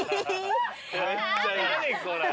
何これ。